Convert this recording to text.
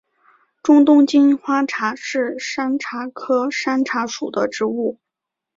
中东金花茶是山茶科山茶属的植物。